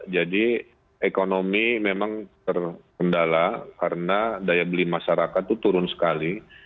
jadi ekonomi memang terkendala karena daya beli masyarakat itu turun sekali